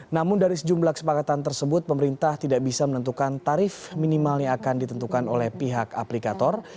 namun dari sejumlah kesepakatan tersebut pemerintah tidak bisa menentukan tarif minimal yang akan ditentukan oleh pihak aplikator